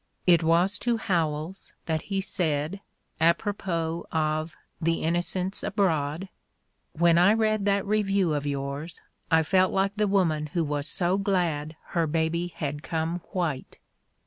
It was to Howells that he said, apropos of "The Innocents Abroad": "When I read that review of yours I felt like the woman who was so glad her baby had come white."